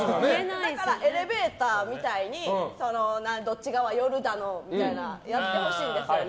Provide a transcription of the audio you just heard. だから、エレベーターみたいにどっち側に寄るとかやってほしいんですよね。